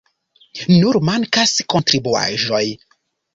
Nur mankas kontribuaĵoj.